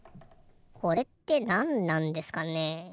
これってなんなんですかね？